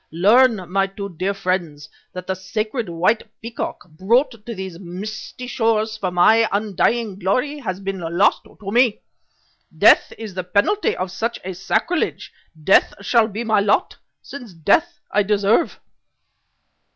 Learn, my two dear friends, that the sacred white peacock brought to these misty shores for my undying glory, has been lost to me! Death is the penalty of such a sacrilege; death shall be my lot, since death I deserve."